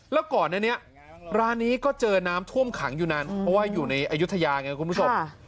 แล้วก่อนอันนี้ร้านนี้ก็เจอน้ำท่วมขังอยู่นานเพราะว่าอยู่ในอายุทยาไงคุณผู้ชม